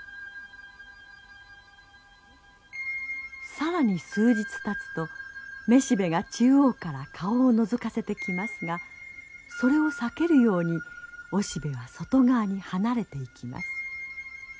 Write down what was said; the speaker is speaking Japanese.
更に数日たつとメシベが中央から顔をのぞかせてきますがそれを避けるようにオシベは外側に離れていきます。